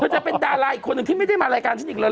จะเป็นดาราอีกคนหนึ่งที่ไม่ได้มารายการฉันอีกเลย